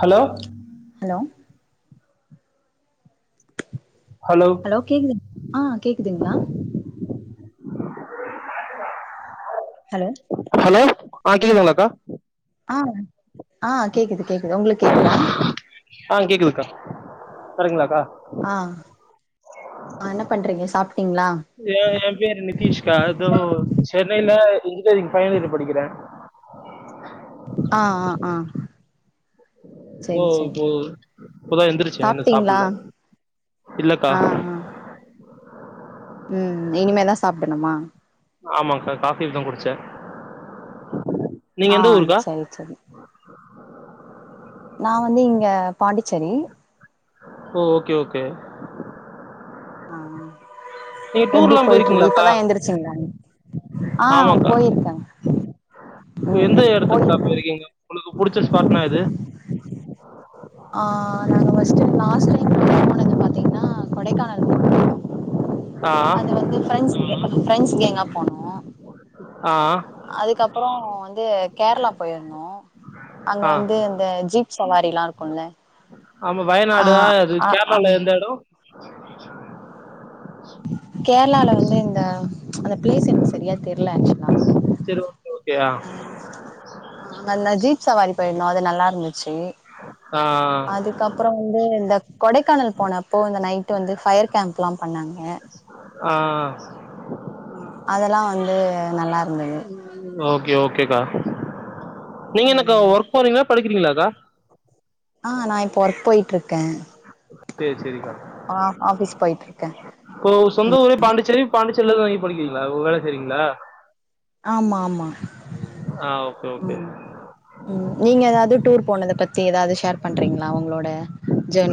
hello hello hello கேக்குதுங் ஆ கேக்குதுங்ளா ஹலோ ஹலோ ஆ கேக்குதுங்ளாகா ஆ ஆ கேக்குது கேக்குது உங்களுக் கேக்குதா ஆ கேக்குதுக்கா சரிங்ளாக்கா ஆ ஆ என்ன பண்றீங்க சாப்ட்டீங்ளா ஏ எம்பேரு நித்தீஷ்கா தோ சென்னையில இன்ஜினியரிங் ஃபைனல் இயர் படிக்கிறே ஆ அ ஆ ஓ செரி செரி இப்போ இப்போதா எந்திரிச்சே இன்னு சாப்ட்டீங்ளா சாப்புல்ல இல்லக்கா ஆ ஆ ம் இனிமேதா சாப்புட்ணுமா ஆமாக்கா காஃபி தா குடிச்சே ஆ சேர் செரி நா வந்து இங்க பாண்டிச்சேரி ஓ ஓகே ஓகே ஆ நீங்க எப்டி டூர்லாம் போய்ட்டுருக்கு போயிருக்கீங்களாக்கா இப்பதா எந்திரிச்சீங்ளா நீங் ஆமாக்கா ம் எந்த எடத்துக்கா போயிருக்கே போயிருகீங்க உனக்கு புடிச்ச ஸ்பாட்னா எது ஆ நாங்க ஃபர்ஸ்டு லாஸ்ட் டைம் போனது பாத்தீங்னா கொடைக்கானல் ஆ அது வந்து ஃப்ரெண்ட்ஸ் ஃப்ரெண்ட்ஸ் கேங்கா போனோ ஆ அதுக்கப்றோ வந்து கேரளா போயிருந்தோ அங்க ஆ வந்து இந்த ஜீப் சவாரிலா இருக்கூல ஆமா வயநாடு அது கேரளால எந்த எடோ கேரளால வந்து இந்த அந்த பிளேஸ் எனக்கு செரியா தெரில ஆக்சுலா செரி ஓக் ஆ ஆ அங்க அந்த ஜீப் சவாரி போயிருந்தோமக்ஷ அது நல்லாருந்துச்சி ஆ அதுக்கப்றோ வந்து இந்த கொடைக்கானல் போனப்போ இந்த நைட்டு வந்து ஃபயர் கேம்ப்லா பண்ணாங் ங்க ஆ ஆ அதெல்லா வந்து நல்லார் ஓகே ஓகேக்கா நீங்க என்னக்கா ஒர்க் போறீங்ளாப் படிக்கிறீங்ளாக்கா ஆ நா இப்போ ஒர்க் போயிட்டுருக்கே சேர் செரிக்கா ஆ ஆஃபீஸ் போய்ட்ருக்கே இப்போ சொந்த ஊரே பாண்டிச்சேரி பாண்டிச்சேரிலதா தங்கி படிக்கிறீங்களா வேல செய்றீங்களா ஆமா ஆமா ஆ ஓகே ஓகே ம் ம் நீங்க ஏதாவ்து டூர் போனத பத்தி ஏதாவ்து ஷேர் பண்றீங்ளா அவுங்ளோட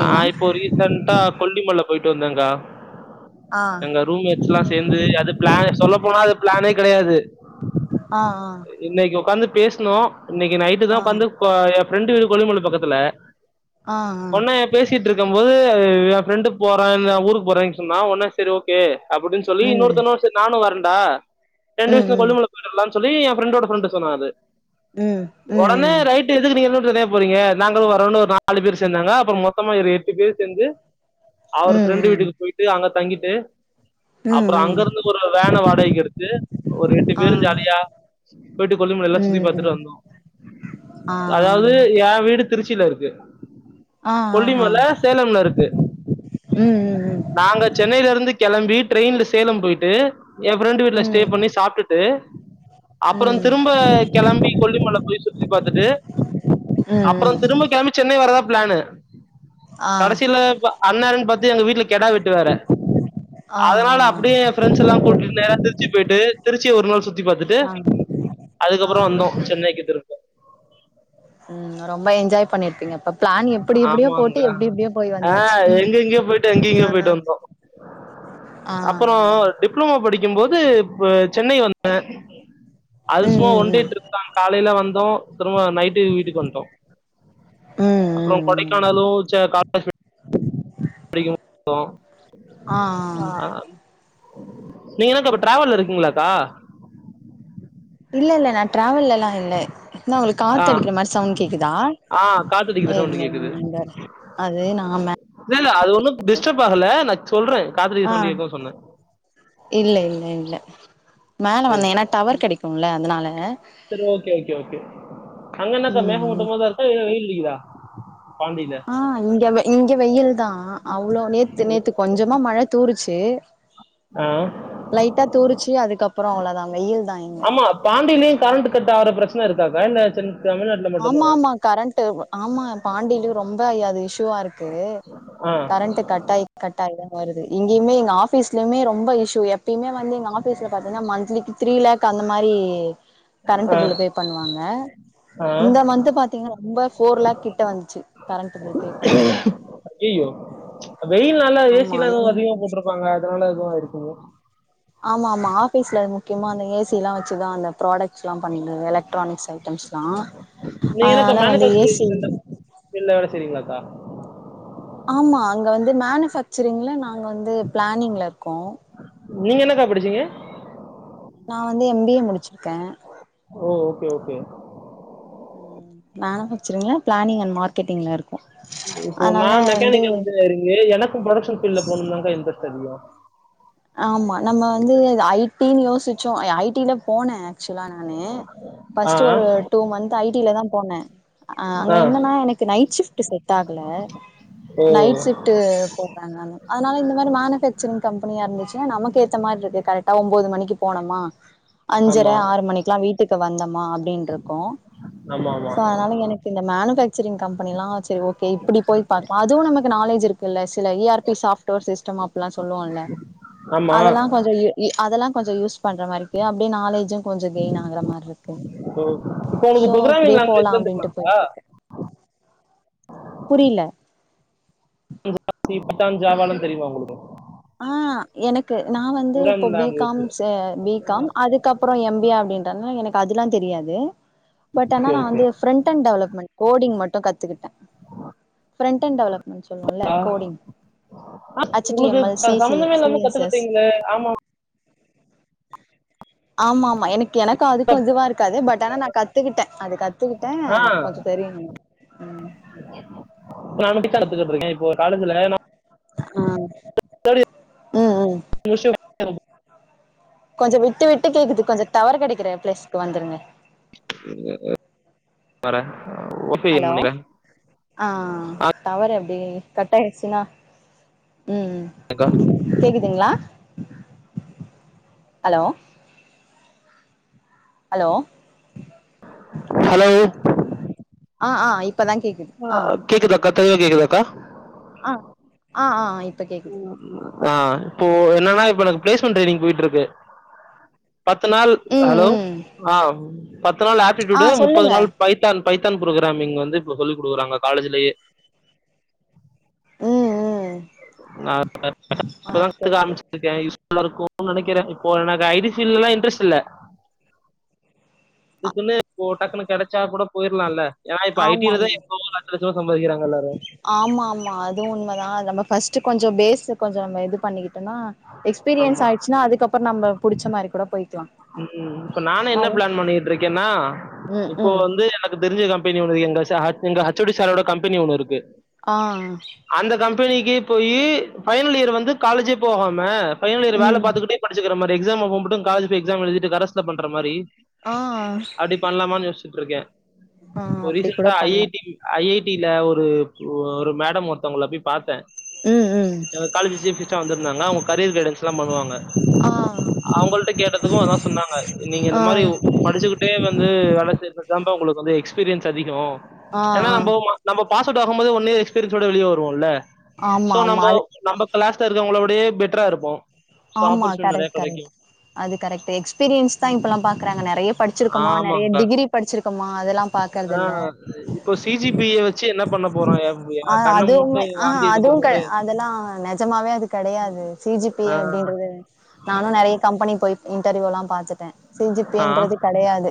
நா இப்போ ரீசண்ட்டா கொல்லிமல போயிட்டு வந்தேங்க்கா ஆ எங்க ரூம் மேட்ஸ்லா சேந்து அது ப்ளா சொல்ல போனா அது ப்ளானே கெடையாது ஆ இன்னைக்கு ஒக்காந்து பேசு னோ இன்னைக்கு நைட்டு ஆ தா ஒக்காந்து ஏன் ஃப்ரெண்டு வீடு கொல்லிமல பக்கத்துல ஆ ஆ ஆ ஒன்னே பேசிட்டு இருக்கம்போது ஏ ஃபிரெண்டு போறே நா ஊருக்கு போறேன் சொன்னா ஒன்னே சரி ஓகே அப்புடின் சொல்லி ம் இன்னொருத்தனு சரி நானு வரன்டா ரெண்டு வேரு சேந்து ம் கொல்லிமல போய்ட்டு வர்லா சொல்லி ஏ ஃபிரெண்டோட ஃபிரெண்ட் சொன்னாரு ம் ம் ஒடனே ம் ரைட்டு எதுக்கு நீ தனியா போறீங்க நாங்களு வரோனு ஒரு நாலு பேர் சேந்தாங்க அப்றம் மொத்தமா ஒரு எட்டு பேர் சேந்து ம் அவர் ஃப்ரெண்டு வீட்டுக்கு போய்ட்டு அங்க தங்கிட்டு ம் அப்றம் ம் ம் ம் அங்கருந்து ஒரு வேன வாடகைக்கு எடுத்து ஒரு எட்டு ஆ பேரு ஜாலியா போயிட்டு கொல்லி மலைலா சுத்தி ம் பாத்துட்டு ம் வந்தோ ஆ அதாவது ஏ வீடு திருச்சில இருக்கு ஆ ஆ ஆ ஆ கொல்லிமல சேலம்ல இருக்கு ம் ம் நாங்க சென்னைலருந்து கெளம்பி ட்ரெயின்ல சேலம் போயிட்டு ஏ ஃப்ரெண்டு ம் வீட்ல ஸ்டே ம் பண்ணி சாப்டுட்டு அப்றம் ம் திரும்ப கெளம்பி கொல்லிமல போய் சுத்தி பாத்துட்டு ம் அப்றம் ம் திரும்ப கெளம்பி சென்னை வரதா ப்ளானு ஆ கடைசில ப அன்னேரன் பாத்து எங்க வீட்ல கெடா வெட்டு வேற ஆ ஆ அதனால அப்டே ஏ ஃப்ரெண்ட்ஸ் எல்லா கூட்டி நேரா திருச்சி பேட்டு திருச்சி ஒரு நாள் சுத்தி பாத்துட்டு ஆ ஆ அதுக்கப்றரோ ஆ வந்தோ சென்னைக்கு திரும்ப ம் ரொம்ப என்ஜாய் பண்ணிருப்பீங்க அப்ப பிளான் எப்டி எப்டியோ ஆமாங்க போட்டு எப்டி எப்டியோ போய் அ வந்தாச்சு ம் எங்கங்யோ போயிட்டு எங்கங்யோ போயிட்டு ஆ வந்தோ ஆ அப்பரோ டிப்ளமோ படிக்கம்போது ப சென்னை வந்தே அது ம் சும்மா ஒண்டே ம் ம் ட்ரிப் தா காலைல வந்தோ திரும்ப நைட்டு வீட்டுக்கு வன்ட்டோ ம் அப்றம் ம் ம் கொடைக்கானாலு சா [unintelligible] [unintelligible] ஆ நீங்க என்னக்கா இப்ப டிராவல்ல இருக்கீங்ளாக்கா இல்ல இல்ல நா டிராவல்ல ல்லா இல்ல ன்னா உங்ளுக்கு ஆ காத்தடிக்ற மாரி சவுண்ட் கேக்குதா ஆ காத்தடிக்கிற எது சவுண்ட் கேக்குது [unintelligible] இல்ல அது நா மே இல்ல இல்ல அது ஒன்னு டிஸ்டப் ஆகல நா சொல்றே காத்தடிக்கற ஆ சவுண்டு கேக்குது சொன்னே இல்ல இல்ல இல்ல மேல சேரி வந்தே ஏன்னா டவர் கெடைக்கும்ல அதனால சேரி ஓகே ஓகே ஓகே அங் என்னாக்கா மேக ம் மூட்டமா தா இருக்கா இல்ல வெயில் அடிக்குதா பாண்டியில ஆ இங்க வெ இங்க வெயில் தா அவ்ளோ நேத்து நேத்து கொஞ்சமா மழ தூறு ச்சி ஆ அதுக்கப்புறோ அவ்ளோதாங்க வெயில் தா இங்க ஆமா பாண்டியிலயு கரண்ட் கட்டாகுற பிரச்சன இருக் க்கா வேல சின் ஆமா ஆமா கரண்ட் ஆமா பாண்டியிலு ரொம்ப ஐ அது இஷூவா இருக்கு ஆ கரண்ட் கட்டாய கட்டாயி தா வருது இங்கேயுமே எங்க ஆபீஸ்லயுமே ரொ ரொம்ப இஷ்யூ எப்பியுமே வந்து எங்க ஆபீஸ்ல பாத்தீனா மந்த்லிக்கு த்ரீ லேக் அந்த மாரி கரண்ட் ஆ பில் பே பண்ணுவாங்க ஆ இந்த மந்த் பாத்தீங்கன்னா ரொம்ப ஃபோர் லேக் கிட்ட வந்த்ச்சு கரண்ட் பில் பே பண்றதே வெயில் நாளல ஏ சிலா எதுவு அதிகமா போட்டிருப்பாங்க அதனால எதுவு ஆய்ருக்குமோ ஆமா ஆமா ஆஃபீஸ்லந் முக்கியமா அந்த ஏசி எல்லா வச்சுதா அந்த ப்ராடக்ட்ஸ்லா பண்ற எலக்ட்ரானிக்ஸ் ஐட்டம்ஸ்லா நீ என்னக்கா அதனால வந்து மேனிபேக்சரில ஏசி பன்ற ஃபீல்ல வேல செய்றீங்களாக்கா ஆமா அங்க வந்து மேனிபேக்ச்ரிங்ல நாங்க வந்து பிளானிங்லருக்கோ நீங்க என்னக்கா படிச்சீங்க நா வந்து எம் பி ஏ முடிச்சிருக்கே ஓ ஓகே ஓகே ம் மேனுபக்சரிங்ல பிளானிங் அண்ட் மார்கெட்டிங்ல இருக்கு இப்போ நா மெக்கானிக்கல் இஞ்சினியரிங்கு எனக்கும் புரொடக்க்ஷன் ஃபீட்ல போணுதான் இன்ட்ரெஸ்ட் மொத்த எவ்ளோ ஆமா நம்ம வந்து ஐ டினு யோசிச்சோ ஐ டில போனே ஆக்சுவலா நானு ஆ ஃபஸ்ட் ஒரு டூ மந்த் ஐ டி ல தான் போனேன் அஹ் அங்க ஆ என்னன்னா எனக்கு நைட் ஷிப்ட் செட் ஆகல ஓ நைட் ஷிப்ட் போடுறாங்க அங்க அதனால இந்த மாதிரி மேனுபேக்சரிங் கம்பெனியா இருந்து நமக்கு ஏத்த மாரி இருக்கு கரெக்டா ஒன்பது மணிக்கு போனோமா அஞ்சர ஆமா ஆறு மணிக்குல்லா வீட்டுக்கு வந்த ம்மா அப்டின் இருக்கும் ஆமா ஆமா சோ அதனால எனக்கு இந்த மேனுபக்சரிங் கம்பெனிலாம் சேரி ஓகே இப்படி போய் பாக்கலாம் அதுவும் நம்ம க்கு நாலேஜ் இருக்குல்ல சில E R P software system அப்டில்லாம் சொல்லுவோம்ல ஆமா அதெல்லா கொஞ்ச யு யு அதெல்லா கொஞ்ச யூஸ் பண்ற மாரிக்கு அப்டி நாலேஜு கொஞ்ச கெயின் ஆகுற மாரி இருக்கு இப்போ இப்போ உங்களுக்கு சோ ப்ரோக்ராமிங் அப்டியே போலா லாங்குவேஜ்லாம் அப்டின்ட்டு தெரியுமாக்கா போயிட்டு இருக்கு புரியில ப் பத்தான் ஷாவாலா தெரியமா உங்களுக்கு ஆஹ் எனக்கு நா வந்து இப்போ programming B language com B com அதுக்கப்புறம் எம் பி ஏ அப்டி எங்கண்ண எனக் எனக்கு அதுல்லாம் தெரியாது பட் ஆனா ஓகே நா ஓகே வந்து ஃபிரண்ட் அன்ட் டெவலப்மெண்ட் கோடிங் மட்டும் கத்துக்கிட்டேன் ஃப்ரண்ட் அண்ட் டெவலப்மெண்ட் சொல்லுவோம்ல்ல coding H T M L ஸ் சம்பந்தமே இல்லாம கத்துக்கிட்டீங்களே ஆமா ஆமா ஆமா ஆமா எனக் எனக்கும் அதுக்கும் இதுவா இருக்காது பட் ஆனா நா கத்துக்கிட்டேன் அது கத்துக்கிட்டேன் ஆ கொஞ்சம் தெரியும்ங்க உம் நா மட்டும் தான் கத்துகிட்டு இருக்கேன் இப்போ காலேஜ்ல நா ஆஹ் உம் உம் [unintelligible] கொஞ்சம் விட்டு விட்டு கேக்குது கொஞ்சம் டவர் கிடைக்கிற ப்ளேஸ்க்கு வந்துருங்க வறேன் ஹலோ ஆஹ் ஆஹ் டவர் எப்படி கட்டாயிடுச்சுனா ம் ஆக்கா ம் கேக்குதுங்ளா ஹலோ ஹலோ ஹலோ ஆ ஆ இப்பதா கேக்குது ஆ கா தெளிவா கேக்குதாக்கா ஆ ஆ ஆ இப்ப கேக்குது ஆ இப்போ என்னன்னா இப்ப எனக்கு பிளேஸ்மெண்ட் ட்ரெய்னிங் போயிட்ருக்கு பத்து நாள் ம் ஹலோ ம் ஆ பத்து நாள் ஆ ஆப்டிடியூடு முப்பது சொல்லுங்க நாள் பைத்தான் பைத்தான் புரோக்ராமிங் வந்து இப்ப சொல்லி குடுக்குறாங்க காலேஜ்லியே ம் ம் நா [inaudible] இப்பதா ஆ ஓகே கத்துக்க ஓகே ஆரமிச்சிருக்கே யூஸ்ஃபுல்லாருக்கு க்குன் நெனைக்கிறே இப்போ எனக்கு ஐ டி ஃபீல்ட் லா இன்ட்ரெஸ்ட் இல்ல அதுக்குன்னு இப்போ டக்குனு கெடச்சா கூட போயிறலா இல்ல ஏனா இப்ப ஐ டிலதா ஆமாமா எங்க ஊருல லட்ச லட்சமா சம்பாரிக்றாங்க எல்லாரு ஆமா ஆமா அதுவு உண்மதா நம்ம ஃபஸ்ட்டு கொஞ்சோ பேஷூ கொஞ்சோ நம்ம இது பண்ணிக்கிட்டனா எக்ஸ்பீரியன்ஸ் ஆமா ஆயிச்சின்னா அதுக்கப்றோ நம்ம புடிச்ச மாரி கூட போய்க்கலா ம் இப்ப நானு என்ன அது பிளான் பண்ணிட்ருக்கேன்னா ம் இப்போ ம் வந்து எனக்கு தெரிஞ்ச கம்பெனி ஒன்னு எங்க சா எங்க ஹச் ஓ டி சாரோட கம்பெனி ஒன்னு இருக்கு ஆ அந்த கம்பெனிக்கு போயி ஃபைனல் இயர் வந்து காலேஜே போகாம ஃபைனல் இயர் வேல ம் பாத்துகிட்டே படிச்சிக்கிற மாரி எக்ஸாம் அப்ப மட்டு காலேஜ் போயி எக்ஸாம் எழுதிட்டு கரஸ்ல பண்ற மாரி ஆ அப்டி பண்ணலாமான்னு யோசிச்சீட்டு இருக்கே ஆ இப்போ அப்டி கூட ரீசண்டா ஐ ஐ பண்லா டி ஐ ஐ டி லா ஒரு ஒரு மேடம் ஒருத்தவங்கள போய் பாத்தே ம் ம் எங்க காலேஜ் சீப் கெஸ்ட்டா வந்திருந்தாங்க அவுங்க கரியர் கைடன்ஸ்ல்லா பண்ணுவாங்க ஆ அவங்கள்ட்ட கேட்டதுக்கு அதா சொன்னாங்க நீங்க இந்த ஆ மாரி படிச்சிக்கிட்டே வந்து வேல செய்றது அதாப்பா உங்களுக்கு வந்து எக்ஸ்பீரியன்ஸ் அதிகோ ஆ ஆ ஏன்னா நம்ப நம்ப பாஸ்அவுட் ஆகும்போதே ஒன் இயர் எக்ஸ் பீரியன்ஸ்சோட வெளிய வருவோல்ல ஆமா சோ ஆமா நம்ப அது நம்ப கிளாஸ்ல இருக்கவங்கள விடயே பெட்டரா இருப்போ சோ ஆமா ஆப்பர்ச்சுனிட்டி நெறைய கரெக்ட் கெடைக்கு கரெக்ட் அது கரெக்ட் எக்ஸ்பீரியன்ஸ் தா இப்பெல்லா பாக்குறாங்க நெறைய படிச்சிருக்கோமா நெறைய ஆமாங்க்கா டிகிரி படிச்சிருக்கோமா அதெல்லா பாக் ஆ இப்போ சி ஜி பிய வச்சி என்ன பண்ண போறோ எ ஆ கண்ண அதுவுமே மூட்டு ஆஹ வாந்தி அதுவு எடுக்கிறதோட கெடை அதெல்லா நெஜமாவே அது கெடையாது சி ஜி பிய ஆ எப்டி என்றது நானு நெறைய கம்பெனி போய் இன்டர்வியூல்லா பாத்துக் கே‌ ஆ செஞ்சிப்பேன்றது கெடையாது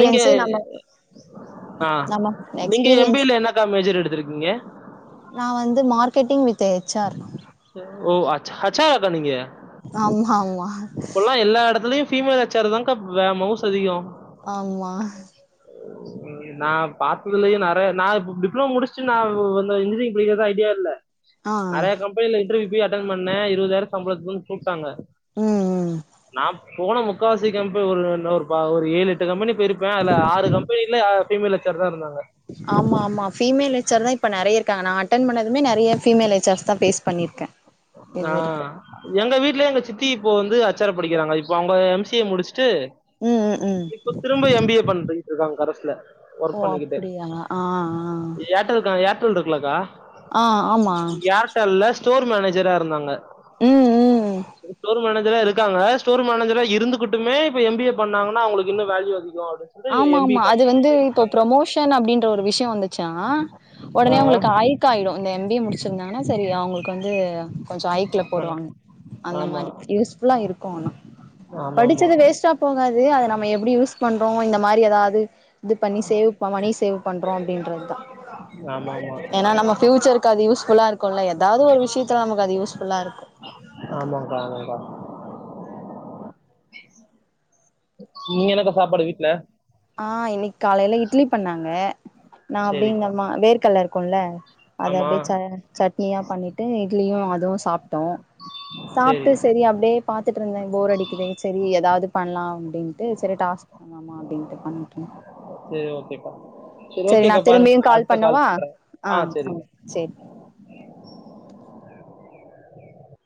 நீங்க நம்ம ஆ நம்ம நீங்க எம் பி எஸ்பீரியன்ஸ் ஏ ல என்னக்கா மேஜர் எடுத்திருக்கீங்க நா வந்து மார்க்கெட்டிங் வித் ஹெச் ஆர் ஓ அச் ஹெச் ஆராக்கா நீங்க ஆமா ஆமா இப்பெல்லா எல்லா இடத்துலயு ஃபீமேல் ஹெச் ஆர் தாக்கா வே மவுஸ் அதிகோ ஆமா ம் நா பாத்ததுலயே நெறைய நா இப்ப டிப்ளோமோ முடிச்சிட்டு நா வந்து இன்ஜினியரிங் படிக்கிறதா ஐடியா இல்ல ஆ ஆ நெறைய கம்பெனில இன்டர்வியூ போய் அட்டன் பண்ணே இருபதாயிரோ சம்பளத்துக்குன்னு கூப்ட்டாங்க ம் ம் நா போன முக்காவாசி கம்பெ ஒரு ஒரு பா ஒரு ஏழு எட்டு கம்பெனி போயிருப்பே அதுல ஆறு கம்பெனில்ல ஃபிமேல் ஹெச் ஆர் தா இருந்தாங்க ஆமா ஆமா பீமேல் ஹெச் ஆர் தா இப்ப நெறைய இருக்காங்க நான் அட்டன் பண்ணது அதுமே நெறைய பீமேல் ஹெச் ஆர்ஸ் தா பேஸ் பண்ணிருக்கே இது ஆ வரைக்கு எங்க வீட்லயே எங்க சித்தி இப்போ வந்து ஹெச் ஆரா படிக்கிறாங்க இப்ப அவுங்க எம் சி ஏ முடிச் ட்டு ம் ம் ம் இப்ப திரும்ப எம் பி ஏ பண்ணிட்டு இருக்காங்க கரஸ்ல ஒர்க் ஓ பண்ணிக்கிட்டே அப்டியா ஆ ஆ ஏர்டெல்க்கா ஏர்டெல் இருக்குலக்கா ஆ ஆமா ஏர்டெல்ல ஸ்டோர் மேனேஜரா இருந்தாங்க ம் ம் ஸ்டோர் மேனேஜ ரா இருக்காங்க ஸ்டோர் மேனேஜரா இருந்துகிட்டுமே இப்ப எம் பி ஏ பண்ணாங்கன்னா அவுங்களுக்கு இன்னு வேல்யூ அதிகோ ஆமா ஆமா அது வந்து இப்போ ப்ரமோஷன் அப்டின்ற ஒரு விஷயோ வந்துச்சா ஆ உடனே அவங்களுக்கு ஐக் ஆயிடும் இந்த எம்பிஏ முடிச்சிருந்தாங்கன்னா சரி அவங்களுக்கு வந்து கொஞ்சம் ஐக்ல ஆ போடுவாங்க அந்த ஆமா மாதிரி யூஸ்ஃபுல்லா இருக்கும் ஆனா ஆமா ஆமா படிச்சது வேஸ்ட்டா போகாது அதை நம்ம எப்படி யூஸ் பண்றோம் இந்த மாதிரி ஏதாவது இது பண்ணி சேவ் ப மணி சேவ் பண்ணுறோம் அப்படின்றது தான் ஆமா ஆமா ஏன்னா நம்ம ஃபயூச்சர்க்கு அது யூஸ் ஃபுல்லா இருக்குல்ல ஏதாவது ஒரு விஷயத்தல நமக்கு அது யூஸ்ஃபுல்லா இருக்கும் ஆமாங்க்கா ஆமாங்க்கா நீங்க என்னக்கா சாப்பாடு வீட்டுல ஆஹ் இன்னைக்கு காலையில இட்லி பண்ணாங்க நான் சரிக்கா அப்படிங்கம்மா வேர்க கல்ல இரு க்குல்ல அதை ஆமா அப்படியே ச சட்னியா பண்ணிட்டு இட்லியும் அதுவும் சாப்பிட்டோம் சாப்பிட்டு சரி அப்படியே பாத்துட்டு இருந்தேன் போர் அடிக்குது சரி ஏதாவது பண்ணலாம் அப்படின்ட்டு சரி டா ஆமா அப்படின்ட்டு சரி ஓகேக்கா சரி ஓகேக்கா நான் பாருங்க திரும்பியும் நான் கால் அடுத்த பண்ணவா பண்றேன் ஆ ஆஹ் ஆஹ சரிக்கா செரி